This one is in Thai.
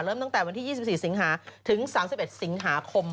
ตั้งแต่วันที่๒๔สิงหาถึง๓๑สิงหาคม